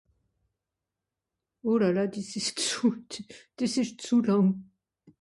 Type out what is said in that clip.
Olala dìs ìsch zù...d... dìs ìsch zù làng.